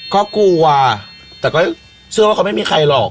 ก็กลัวแต่ก็เชื่อว่าเขาไม่มีใครหรอก